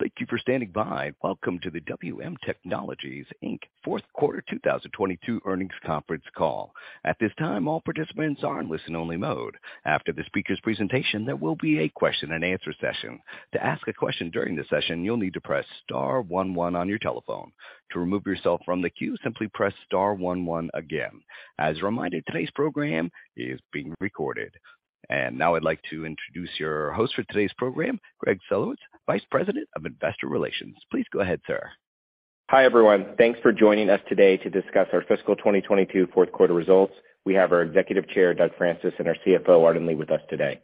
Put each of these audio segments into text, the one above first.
Thank you for standing by. Welcome to the WM Technology, Inc fourth quarter 2022 earnings conference call. At this time, all participants are in listen-only mode. After the speaker's presentation, there will be a question-and-answer session. To ask a question during the session, you'll need to press star one one on your telephone. To remove yourself from the queue, simply press star one one again. As a reminder, today's program is being recorded. Now I'd like to introduce your host for today's program, Greg Stolowitz, Vice President of Investor Relations. Please go ahead, sir. Hi, everyone. Thanks for joining us today to discuss our fiscal 2022 fourth quarter results. We have our Executive Chair, Doug Francis, and our CFO, Arden Lee, with us today.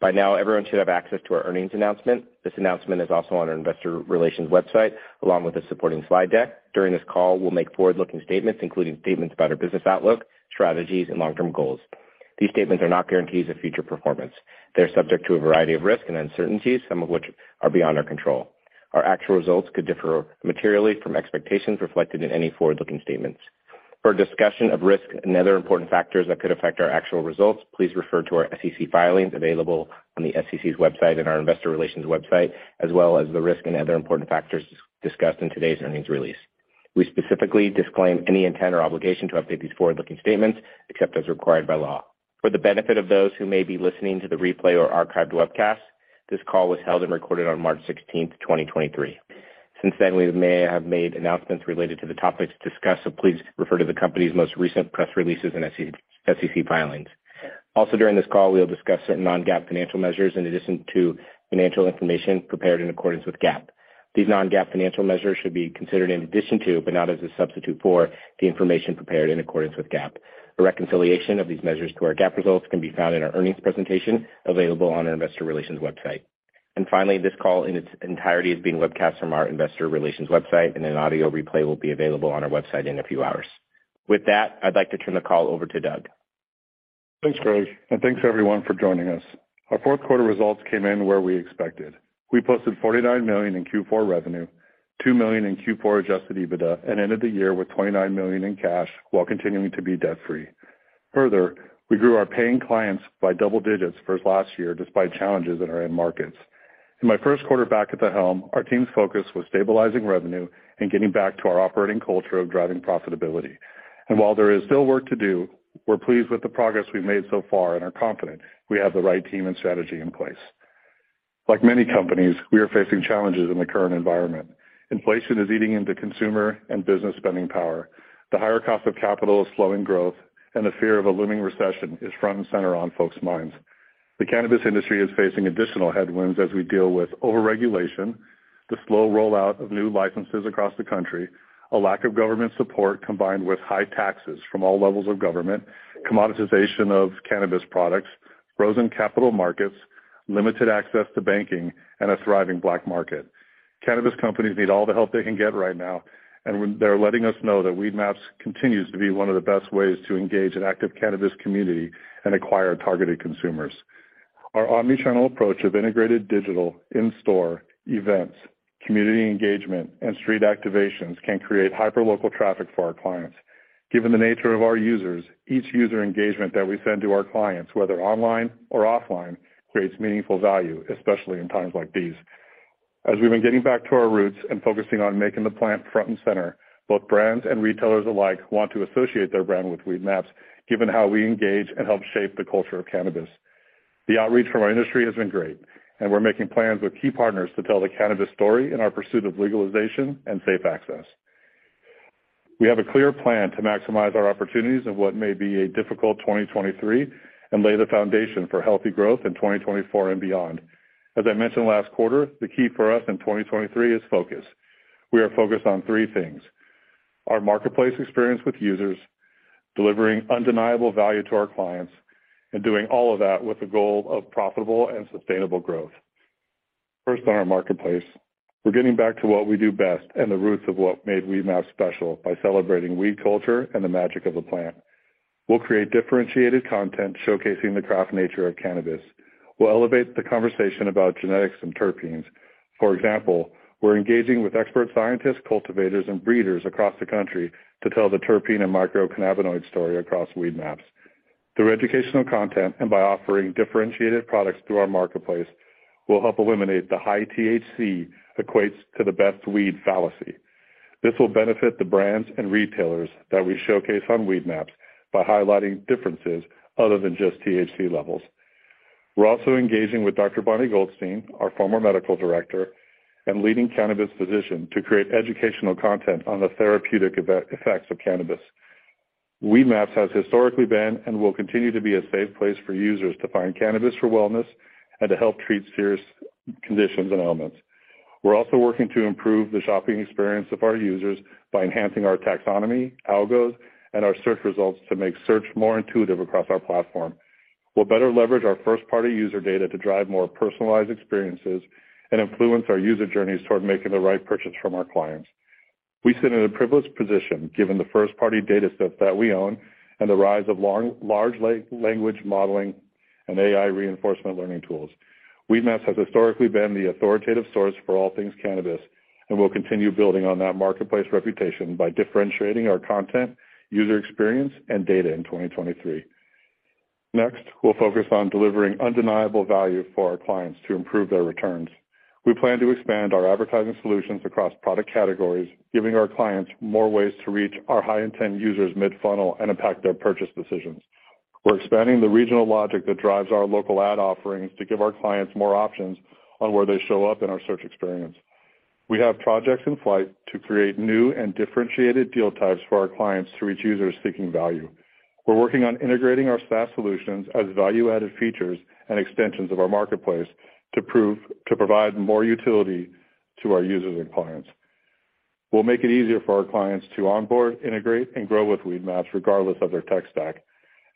By now, everyone should have access to our earnings announcement. This announcement is also on our Investor Relations website, along with the supporting slide deck. During this call, we'll make forward-looking statements, including statements about our business outlook, strategies, and long-term goals. These statements are not guarantees of future performance. They're subject to a variety of risks and uncertainties, some of which are beyond our control. Our actual results could differ materially from expectations reflected in any forward-looking statements. For a discussion of risks and other important factors that could affect our actual results, please refer to our SEC filings available on the SEC's website and our investor relations website, as well as the risk and other important factors discussed in today's earnings release. We specifically disclaim any intent or obligation to update these forward-looking statements except as required by law. For the benefit of those who may be listening to the replay or archived webcast, this call was held and recorded on March 16th, 2023. Since then, we may have made announcements related to the topics discussed, so please refer to the company's most recent press releases and SEC filings. During this call, we'll discuss certain non-GAAP financial measures in addition to financial information prepared in accordance with GAAP. These non-GAAP financial measures should be considered in addition to, but not as a substitute for, the information prepared in accordance with GAAP. A reconciliation of these measures to our GAAP results can be found in our earnings presentation available on our Investor Relations website. Finally, this call in its entirety is being webcast from our Investor Relations website, and an audio replay will be available on our website in a few hours. With that, I'd like to turn the call over to Doug. Thanks, Greg, and thanks everyone for joining us. Our fourth quarter results came in where we expected. We posted $49 million in Q4 revenue, $2 million in Q4 adjusted EBITDA, and ended the year with $29 million in cash while continuing to be debt-free. Further, we grew our paying clients by double digits versus last year despite challenges in our end markets. In my first quarter back at the helm, our team's focus was stabilizing revenue and getting back to our operating culture of driving profitability. While there is still work to do, we're pleased with the progress we've made so far and are confident we have the right team and strategy in place. Like many companies, we are facing challenges in the current environment. Inflation is eating into consumer and business spending power. The higher cost of capital is slowing growth. The fear of a looming recession is front and center on folks' minds. The cannabis industry is facing additional headwinds as we deal with over-regulation, the slow rollout of new licenses across the country, a lack of government support combined with high taxes from all levels of government, commoditization of cannabis products, frozen capital markets, limited access to banking, and a thriving black market. Cannabis companies need all the help they can get right now. They're letting us know that Weedmaps continues to be one of the best ways to engage an active cannabis community and acquire targeted consumers. Our omni-channel approach of integrated digital, in-store, events, community engagement, and street activations can create hyperlocal traffic for our clients. Given the nature of our users, each user engagement that we send to our clients, whether online or offline, creates meaningful value, especially in times like these. We've been getting back to our roots and focusing on making the plant front and center, both brands and retailers alike want to associate their brand with Weedmaps, given how we engage and help shape the culture of cannabis. The outreach from our industry has been great, and we're making plans with key partners to tell the cannabis story in our pursuit of legalization and safe access. We have a clear plan to maximize our opportunities in what may be a difficult 2023 and lay the foundation for healthy growth in 2024 and beyond. I mentioned last quarter, the key for us in 2023 is focus. We are focused on 3 things: our marketplace experience with users, delivering undeniable value to our clients, and doing all of that with the goal of profitable and sustainable growth. First, on our marketplace, we're getting back to what we do best and the roots of what made Weedmaps special by celebrating weed culture and the magic of the plant. We'll create differentiated content showcasing the craft nature of cannabis. We'll elevate the conversation about genetics and terpenes. For example, we're engaging with expert scientists, cultivators, and breeders across the country to tell the terpene and micro-cannabinoid story across Weedmaps. Through educational content and by offering differentiated products through our marketplace, we'll help eliminate the high THC equates to the best weed fallacy. This will benefit the brands and retailers that we showcase on Weedmaps by highlighting differences other than just THC levels. We're also engaging with Dr. Bonni Goldstein, our former medical director and leading cannabis physician, to create educational content on the therapeutic effects of cannabis. Weedmaps has historically been and will continue to be a safe place for users to find cannabis for wellness and to help treat serious conditions and ailments. We're also working to improve the shopping experience of our users by enhancing our taxonomy, algos, and our search results to make search more intuitive across our platform. We'll better leverage our first-party user data to drive more personalized experiences and influence our user journeys toward making the right purchase from our clients. We sit in a privileged position given the first-party data set that we own and the rise of large language modeling and AI reinforcement learning tools. Weedmaps has historically been the authoritative source for all things cannabis, and we'll continue building on that marketplace reputation by differentiating our content, user experience, and data in 2023. Next, we'll focus on delivering undeniable value for our clients to improve their returns. We plan to expand our advertising solutions across product categories, giving our clients more ways to reach our high-intent users mid-funnel and impact their purchase decisions. We're expanding the regional logic that drives our local ad offerings to give our clients more options on where they show up in our search experience. We have projects in flight to create new and differentiated deal types for our clients to reach users seeking value. We're working on integrating our SaaS solutions as value-added features and extensions of our marketplace to provide more utility to our users and clients. We'll make it easier for our clients to onboard, integrate, and grow with Weedmaps regardless of their tech stack.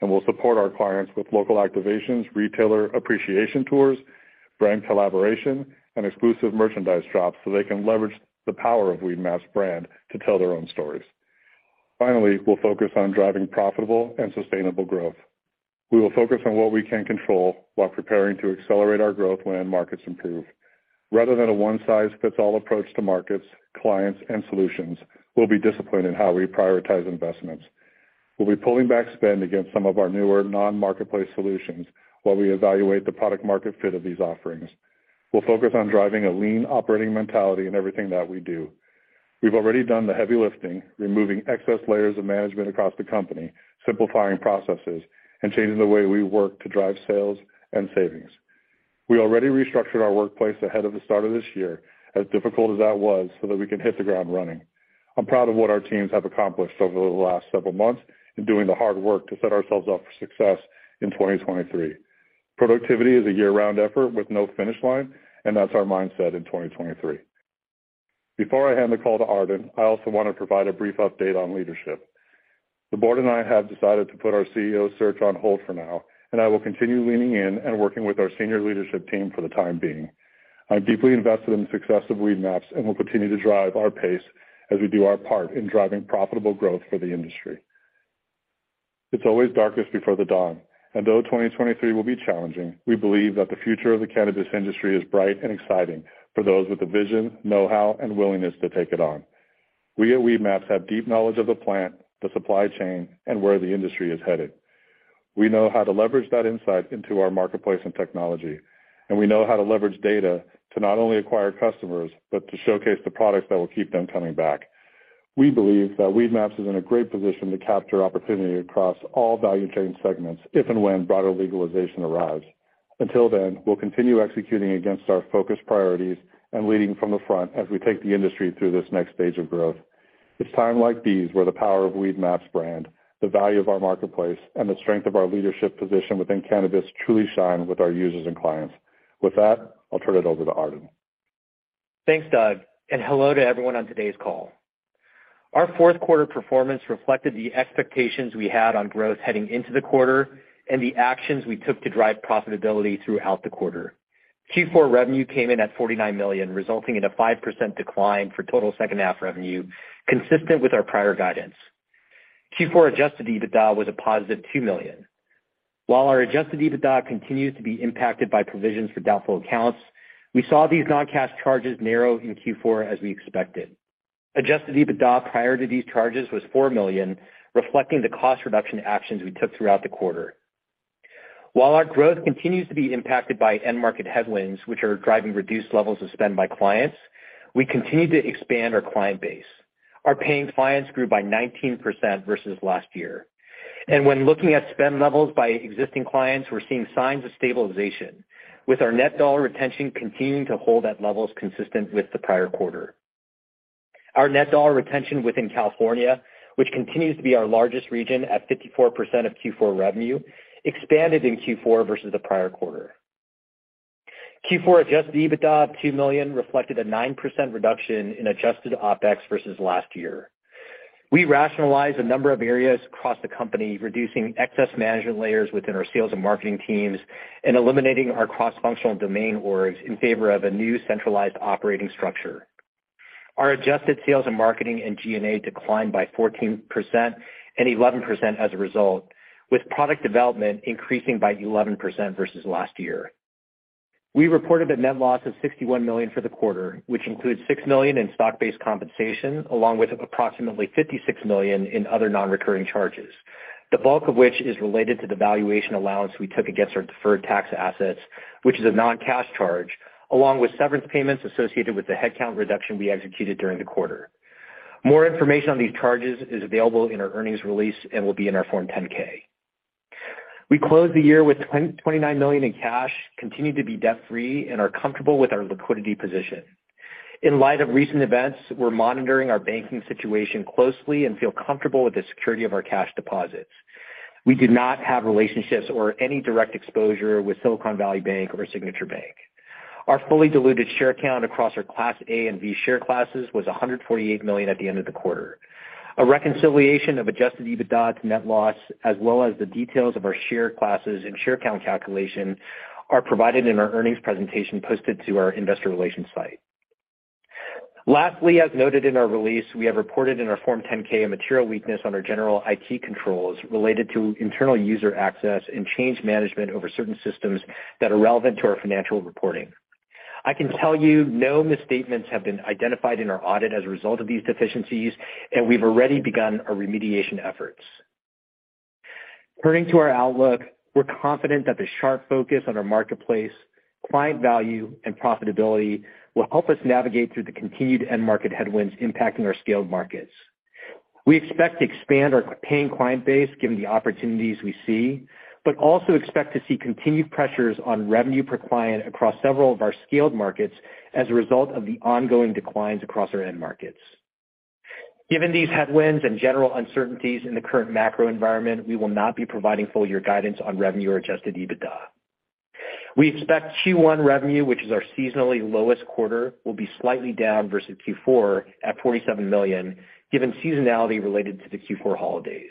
We'll support our clients with local activations, retailer appreciation tours, brand collaboration, and exclusive merchandise drops so they can leverage the power of Weedmaps brand to tell their own stories. Finally, we'll focus on driving profitable and sustainable growth. We will focus on what we can control while preparing to accelerate our growth when markets improve. Rather than a one-size-fits-all approach to markets, clients, and solutions, we'll be disciplined in how we prioritize investments. We'll be pulling back spend against some of our newer non-marketplace solutions while we evaluate the product market fit of these offerings. We'll focus on driving a lean operating mentality in everything that we do. We've already done the heavy lifting, removing excess layers of management across the company, simplifying processes, and changing the way we work to drive sales and savings. We already restructured our workplace ahead of the start of this year, as difficult as that was, so that we can hit the ground running. I'm proud of what our teams have accomplished over the last several months in doing the hard work to set ourselves up for success in 2023. Productivity is a year-round effort with no finish line. That's our mindset in 2023. Before I hand the call to Arden, I also wanna provide a brief update on leadership. The board and I have decided to put our CEO search on hold for now. I will continue leaning in and working with our senior leadership team for the time being. I'm deeply invested in the success of Weedmaps and will continue to drive our pace as we do our part in driving profitable growth for the industry. It's always darkest before the dawn, and though 2023 will be challenging, we believe that the future of the cannabis industry is bright and exciting for those with the vision, know-how, and willingness to take it on. We at Weedmaps have deep knowledge of the plant, the supply chain, and where the industry is headed. We know how to leverage that insight into our marketplace and technology, and we know how to leverage data to not only acquire customers, but to showcase the products that will keep them coming back. We believe that Weedmaps is in a great position to capture opportunity across all value chain segments if and when broader legalization arrives. We'll continue executing against our focused priorities and leading from the front as we take the industry through this next stage of growth. It's time like these where the power of Weedmaps brand, the value of our marketplace, and the strength of our leadership position within cannabis truly shine with our users and clients. With that, I'll turn it over to Arden. Thanks, Doug. Hello to everyone on today's call. Our fourth quarter performance reflected the expectations we had on growth heading into the quarter and the actions we took to drive profitability throughout the quarter. Q4 revenue came in at $49 million, resulting in a 5% decline for total second half revenue, consistent with our prior guidance. Q4 adjusted EBITDA was a positive $2 million. While our adjusted EBITDA continues to be impacted by provisions for doubtful accounts, we saw these non-cash charges narrow in Q4 as we expected. Adjusted EBITDA prior to these charges was $4 million, reflecting the cost reduction actions we took throughout the quarter. While our growth continues to be impacted by end market headwinds, which are driving reduced levels of spend by clients, we continue to expand our client base. Our paying clients grew by 19% versus last year. When looking at spend levels by existing clients, we're seeing signs of stabilization, with our net dollar retention continuing to hold at levels consistent with the prior quarter. Our net dollar retention within California, which continues to be our largest region at 54% of Q4 revenue, expanded in Q4 versus the prior quarter. Q4 adjusted EBITDA of $2 million reflected a 9% reduction in adjusted OpEx versus last year. We rationalized a number of areas across the company, reducing excess management layers within our sales and marketing teams and eliminating our cross-functional domain orgs in favor of a new centralized operating structure. Our adjusted sales and marketing and G&A declined by 14% and 11% as a result, with product development increasing by 11% versus last year. We reported a net loss of $61 million for the quarter, which includes $6 million in stock-based compensation, along with approximately $56 million in other non-recurring charges, the bulk of which is related to the valuation allowance we took against our deferred tax assets, which is a non-cash charge, along with severance payments associated with the headcount reduction we executed during the quarter. More information on these charges is available in our earnings release and will be in our Form 10-K. We closed the year with $29 million in cash, continue to be debt-free, and are comfortable with our liquidity position. In light of recent events, we're monitoring our banking situation closely and feel comfortable with the security of our cash deposits. We do not have relationships or any direct exposure with Silicon Valley Bank or Signature Bank. Our fully diluted share count across our Class A and B share classes was 148 million at the end of the quarter. A reconciliation of adjusted EBITDA to net loss as well as the details of our share classes and share count calculation are provided in our earnings presentation posted to our Investor Relations site. As noted in our release, we have reported in our Form 10-K a material weakness on our general IT controls related to internal user access and change management over certain systems that are relevant to our financial reporting. I can tell you no misstatements have been identified in our audit as a result of these deficiencies, and we've already begun our remediation efforts. Turning to our outlook, we're confident that the sharp focus on our marketplace, client value, and profitability will help us navigate through the continued end market headwinds impacting our scaled markets. We expect to expand our paying client base given the opportunities we see, but also expect to see continued pressures on revenue per client across several of our scaled markets as a result of the ongoing declines across our end markets. Given these headwinds and general uncertainties in the current macro environment, we will not be providing full year guidance on revenue or adjusted EBITDA. We expect Q1 revenue, which is our seasonally lowest quarter, will be slightly down versus Q4 at $47 million, given seasonality related to the Q4 holidays.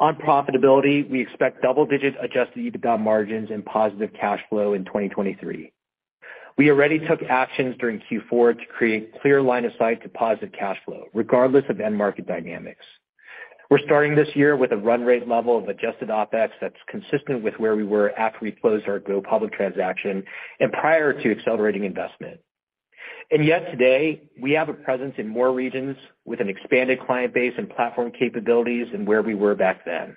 On profitability, we expect double-digit adjusted EBITDA margins and positive cash flow in 2023. We already took actions during Q4 to create clear line of sight to positive cash flow, regardless of end market dynamics. We're starting this year with a run rate level of adjusted OpEx that's consistent with where we were after we closed our go public transaction and prior to accelerating investment. Yet today, we have a presence in more regions with an expanded client base and platform capabilities than where we were back then.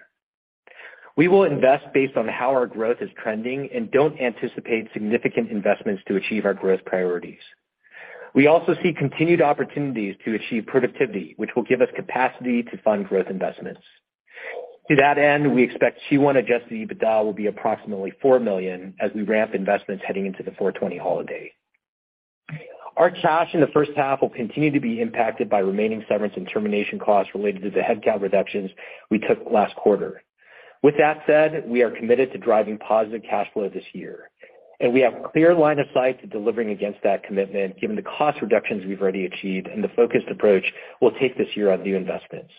We will invest based on how our growth is trending and don't anticipate significant investments to achieve our growth priorities. We also see continued opportunities to achieve productivity, which will give us capacity to fund growth investments. To that end, we expect Q1 adjusted EBITDA will be approximately $4 million as we ramp investments heading into the 4/20 holiday. Our cash in the first half will continue to be impacted by remaining severance and termination costs related to the headcount reductions we took last quarter. We are committed to driving positive cash flow this year, and we have clear line of sight to delivering against that commitment given the cost reductions we've already achieved and the focused approach we'll take this year on new investments.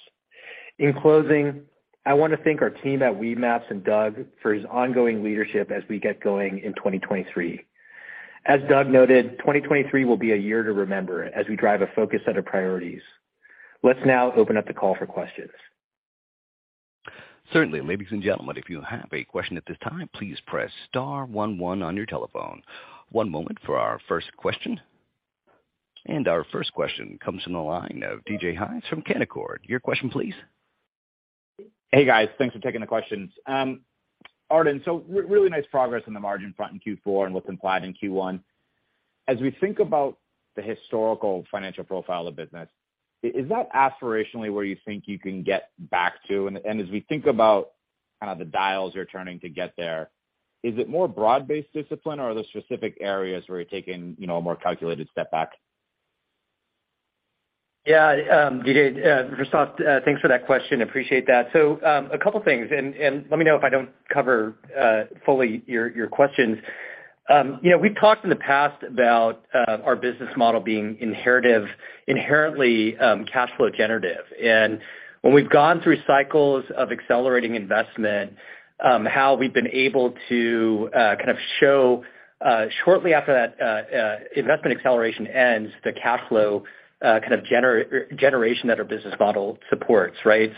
In closing, I want to thank our team at Weedmaps and Doug for his ongoing leadership as we get going in 2023. As Doug noted, 2023 will be a year to remember as we drive a focused set of priorities. Let's now open up the call for questions. Certainly. Ladies and gentlemen, if you have a question at this time, please press star one one on your telephone. One moment for our first question. Our first question comes from the line of DJ Hynes from Canaccord. Your question, please. Hey, guys. Thanks for taking the questions. Arden, so really nice progress on the margin front in Q4 and what's implied in Q1. As we think about the historical financial profile of business, is that aspirationally where you think you can get back to? As we think about the dials you're turning to get there, is it more broad-based discipline or are there specific areas where you're taking, you know, a more calculated step back? Yeah. DJ, first off, thanks for that question. Appreciate that. A couple things, and let me know if I don't cover fully your questions. You know, we've talked in the past about our business model being inherently cash flow generative. And when we've gone through cycles of accelerating investment, how we've been able to kind of show shortly after that investment acceleration ends, the cash flow generation that our business model supports, right?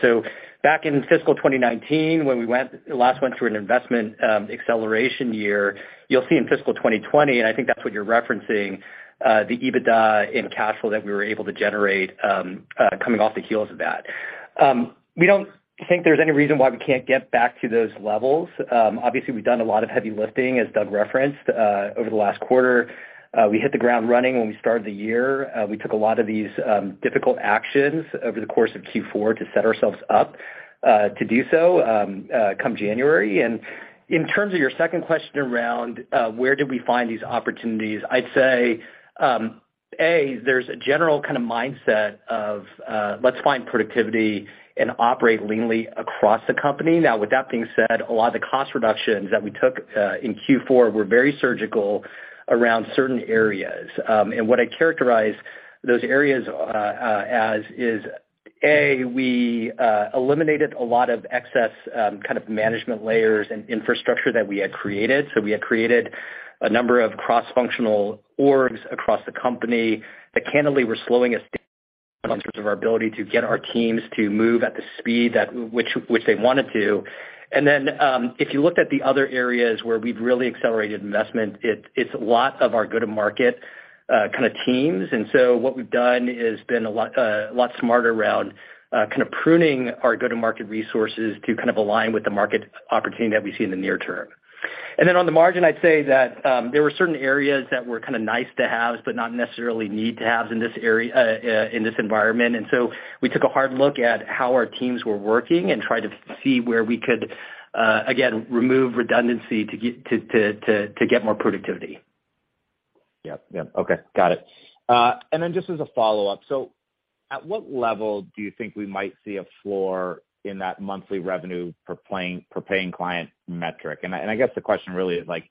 Back in fiscal 2019, when we last went through an investment acceleration year, you'll see in fiscal 2020, and I think that's what you're referencing, the EBITDA in cash flow that we were able to generate coming off the heels of that. We don't think there's any reason why we can't get back to those levels. Obviously, we've done a lot of heavy lifting, as Doug referenced, over the last quarter. We hit the ground running when we started the year. We took a lot of these difficult actions over the course of Q4 to set ourselves up to do so come January. In terms of your second question around where did we find these opportunities, I'd say, A, there's a general kind of mindset of let's find productivity and operate leanly across the company. With that being said, a lot of the cost reductions that we took, in Q4 were very surgical around certain areas. What I characterize those areas as is, A, we eliminated a lot of excess kind of management layers and infrastructure that we had created. We had created a number of cross-functional orgs across the company that candidly were slowing us down in terms of our ability to get our teams to move at the speed at which they wanted to. Then, if you looked at the other areas where we've really accelerated investment, it's a lot of our go-to-market kind of teams. What we've done has been a lot smarter around kind of pruning our go-to-market resources to kind of align with the market opportunity that we see in the near term. On the margin, I'd say that, there were certain areas that were kinda nice to haves, but not necessarily need to haves in this environment. We took a hard look at how our teams were working and tried to see where we could again, remove redundancy to get more productivity. Yep. Yep. Okay. Got it. Then just as a follow-up. At what level do you think we might see a floor in that monthly revenue per paying client metric? I guess the question really is like,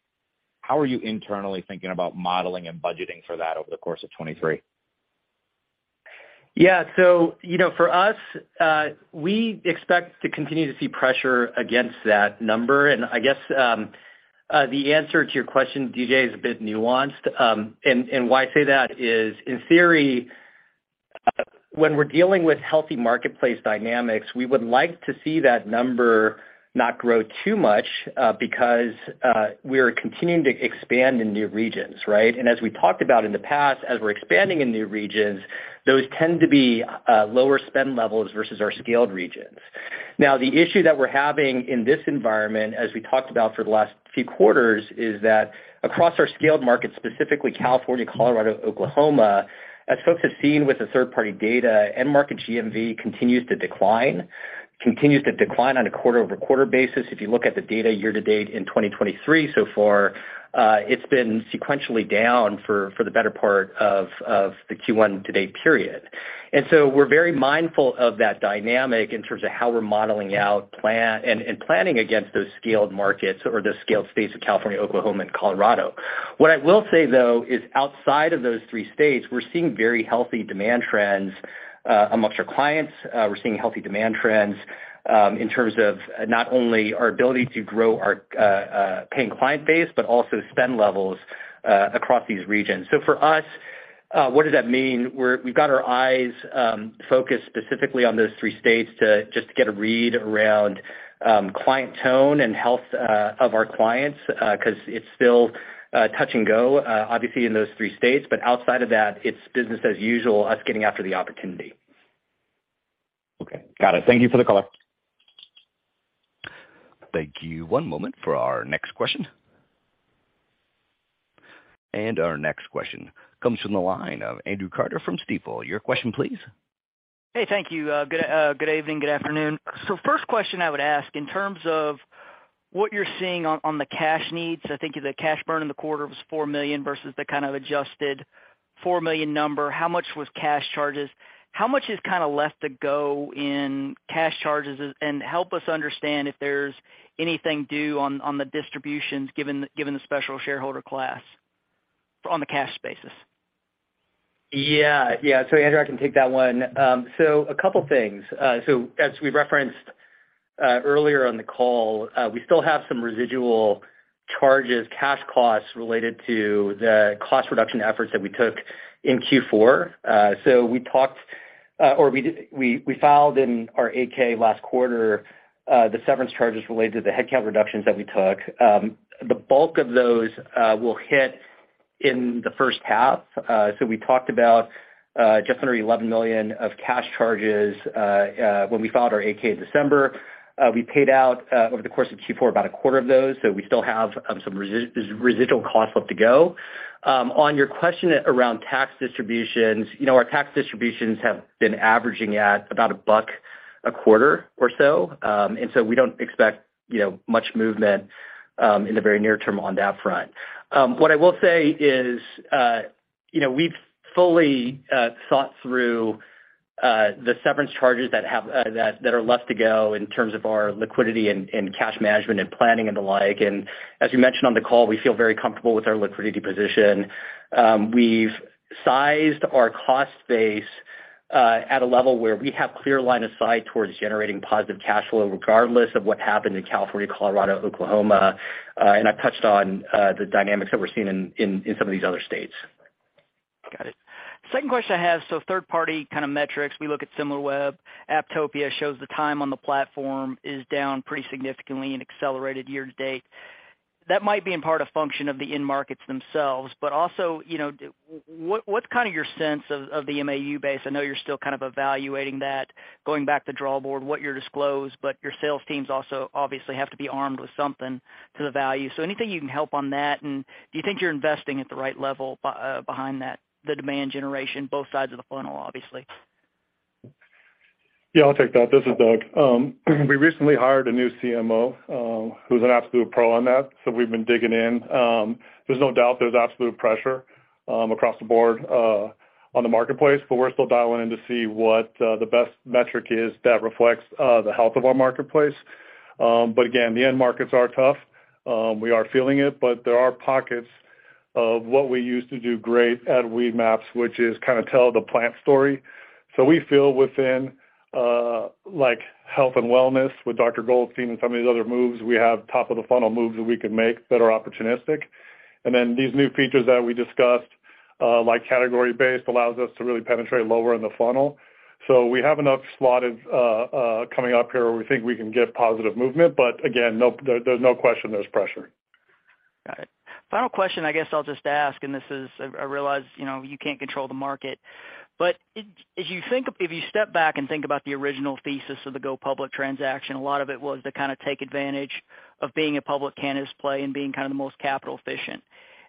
how are you internally thinking about modeling and budgeting for that over the course of 2023? You know, for us, we expect to continue to see pressure against that number. I guess the answer to your question, DJ, is a bit nuanced. Why I say that is, in theory. When we're dealing with healthy marketplace dynamics, we would like to see that number not grow too much, because we're continuing to expand in new regions, right? As we talked about in the past, as we're expanding in new regions, those tend to be lower spend levels versus our scaled regions. Now, the issue that we're having in this environment, as we talked about for the last few quarters, is that across our scaled markets, specifically California, Colorado, Oklahoma, as folks have seen with the third-party data, end market GMV continues to decline on a quarter-over-quarter basis. If you look at the data year to date in 2023 so far, it's been sequentially down for the better part of the Q1 to date period. We're very mindful of that dynamic in terms of how we're modeling out plan and planning against those scaled markets or those scaled states of California, Oklahoma, and Colorado. What I will say, though, is outside of those three states, we're seeing very healthy demand trends amongst our clients. We're seeing healthy demand trends in terms of not only our ability to grow our paying client base, but also spend levels across these regions. For us, what does that mean? We've got our eyes focused specifically on those three states to just get a read around client tone and health of our clients 'cause it's still touch and go obviously in those three states. Outside of that, it's business as usual, us getting after the opportunity. Okay. Got it. Thank you for the color. Thank you. One moment for our next question. Our next question comes from the line of Andrew Carter from Stifel. Your question, please. Hey, thank you. good evening, good afternoon. First question I would ask, in terms of what you're seeing on the cash needs, I think the cash burn in the quarter was $4 million versus the kind of adjusted $4 million number. How much was cash charges? How much is kinda left to go in cash charges? Help us understand if there's anything due on the distributions given the special shareholder class on the cash basis. Yeah. Yeah. Andrew, I can take that one. A couple things. As we referenced earlier on the call, we still have some residual charges, cash costs related to the cost reduction efforts that we took in Q4. We talked or we filed in our 8-K last quarter, the severance charges related to the headcount reductions that we took. The bulk of those will hit in the first half. We talked about just under $11 million of cash charges when we filed our 8-K in December. We paid out over the course of Q4 about a quarter of those. We still have some residual costs left to go. On your question around tax distributions, you know, our tax distributions have been averaging at about a buck a quarter or so. We don't expect, you know, much movement in the very near term on that front. What I will say is, you know, we've fully thought through the severance charges that have that are left to go in terms of our liquidity and cash management and planning and the like. As we mentioned on the call, we feel very comfortable with our liquidity position. We've sized our cost base at a level where we have clear line of sight towards generating positive cash flow, regardless of what happened in California, Colorado, Oklahoma. I touched on the dynamics that we're seeing in some of these other states. Got it. Second question I have, third party kind of metrics, we look at Similarweb, Apptopia shows the time on the platform is down pretty significantly and accelerated year-to-date. That might be in part a function of the end markets themselves, but also, you know, what's kind of your sense of the MAU base? I know you're still kind of evaluating that going back to the draw board, what you're disclosed, but your sales teams also obviously have to be armed with something to the value. Anything you can help on that, and do you think you're investing at the right level behind that, the demand generation, both sides of the funnel, obviously? Yeah, I'll take that. This is Doug. We recently hired a new CMO, who's an absolute pro on that, so we've been digging in. There's no doubt there's absolute pressure, across the board, on the marketplace, but we're still dialing in to see what the best metric is that reflects the health of our marketplace. Again, the end markets are tough. We are feeling it, but there are pockets of what we used to do great at Weedmaps, which is kinda tell the plant story. We feel within, like health and wellness with Dr. Goldstein and some of these other moves, we have top of the funnel moves that we can make that are opportunistic. These new features that we discussed, like category-based, allows us to really penetrate lower in the funnel. We have enough slotted coming up here where we think we can get positive movement. Again, there's no question there's pressure. Got it. Final question I guess I'll just ask, and this is, I realize, you know, you can't control the market. As you step back and think about the original thesis of the go public transaction, a lot of it was to kinda take advantage of being a public cannabis play and being kinda the most capital efficient.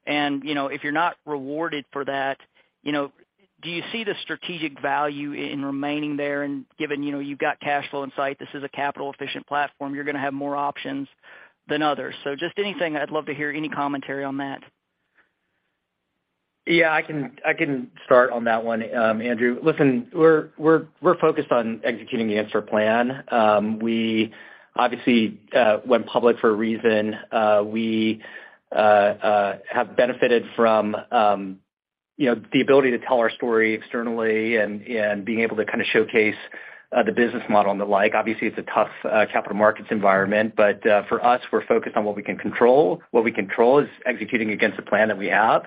You know, if you're not rewarded for that, you know, do you see the strategic value in remaining there and given, you know, you've got cash flow in sight, this is a capital efficient platform, you're gonna have more options than others? Just anything, I'd love to hear any commentary on that. Yeah, I can start on that one, Andrew. Listen, we're focused on executing against our plan. We obviously went public for a reason. We have benefited from, you know, the ability to tell our story externally and being able to kind of showcase the business model and the like. Obviously, it's a tough capital markets environment, for us, we're focused on what we can control. What we control is executing against the plan that we have.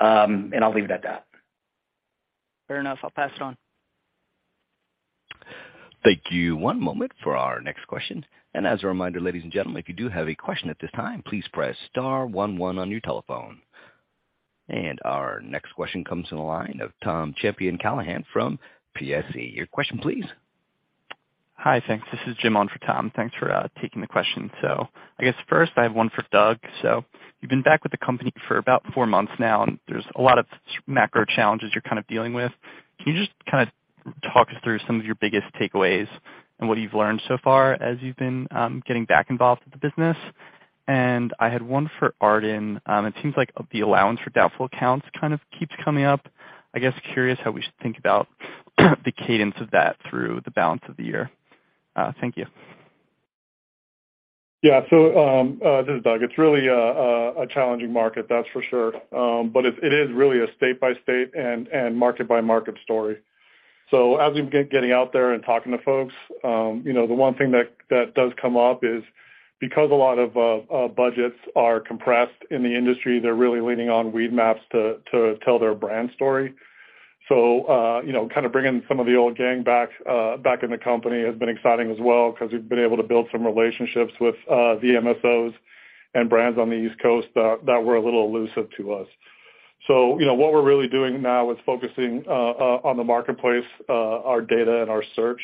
I'll leave it at that. Fair enough. I'll pass it on. Thank you. One moment for our next question. As a reminder, ladies and gentlemen, if you do have a question at this time, please press star one one on your telephone. Our next question comes from the line of Tom Champion Callahan from PSC. Your question, please. Hi. Thanks. This is Jim on for Tom. Thanks for taking the question. I guess first I have one for Doug. You've been back with the company for about four months now, and there's a lot of macro challenges you're kind of dealing with. Can you just kind of talk us through some of your biggest takeaways and what you've learned so far as you've been getting back involved with the business? I had one for Arden. It seems like the allowance for doubtful accounts kind of keeps coming up. I guess curious how we should think about the cadence of that through the balance of the year. Thank you. This is Doug. It's really a challenging market, that's for sure. It is really a state-by-state and market-by-market story. As we getting out there and talking to folks, you know, the one thing that does come up is because a lot of budgets are compressed in the industry, they're really leaning on Weedmaps to tell their brand story. You know, kind of bringing some of the old gang back in the company has been exciting as well because we've been able to build some relationships with the MSOs and brands on the East Coast that were a little elusive to us. You know, what we're really doing now is focusing on the marketplace, our data and our search.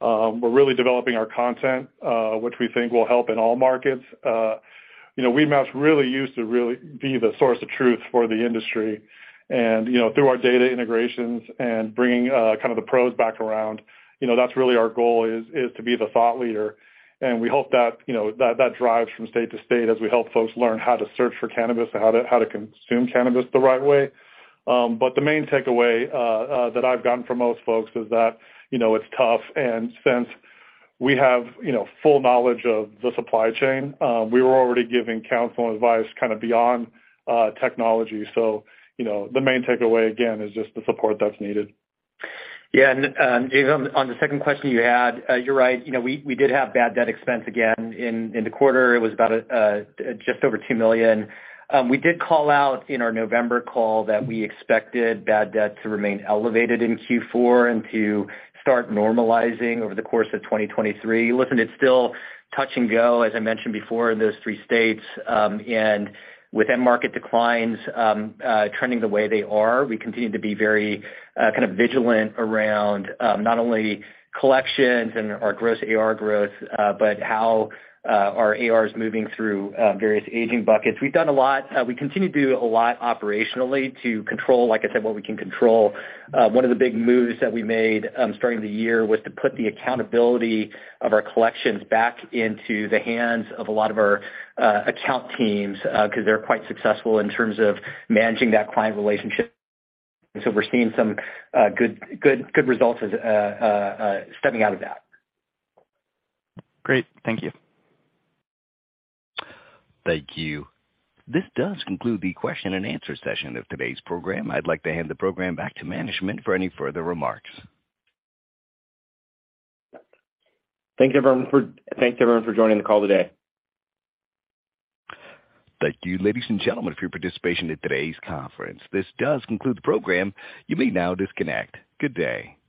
We're really developing our content, which we think will help in all markets. You know, Weedmaps really used to be the source of truth for the industry. You know, through our data integrations and bringing kind of the pros back around, you know, that's really our goal is to be the thought leader. We hope that, you know, that drives from state to state as we help folks learn how to search for cannabis and how to consume cannabis the right way. The main takeaway that I've gotten from most folks is that, you know, it's tough. Since we have, you know, full knowledge of the supply chain, we were already giving counsel and advice kind of beyond technology. You know, the main takeaway again is just the support that's needed. Yeah. On the second question you had, you're right, you know, we did have bad debt expense again in the quarter. It was about just over $2 million. We did call out in our November call that we expected bad debt to remain elevated in Q4 and to start normalizing over the course of 2023. Listen, it's still touch and go, as I mentioned before, in those three states, and with end market declines, trending the way they are, we continue to be very, kind of vigilant around not only collections and our gross AR growth, but how our AR is moving through various aging buckets. We've done a lot. We continue to do a lot operationally to control, like I said, what we can control. One of the big moves that we made, starting the year was to put the accountability of our collections back into the hands of a lot of our account teams, because they're quite successful in terms of managing that client relationship. We're seeing some good results as stepping out of that. Great. Thank you. Thank you. This does conclude the question-and-answer session of today's program. I'd like to hand the program back to management for any further remarks. Thanks, everyone, for joining the call today. Thank you, ladies and gentlemen, for your participation in today's conference. This does conclude the program. You may now disconnect. Good day.